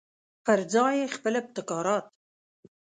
پرځای یې خپل ابتکارات.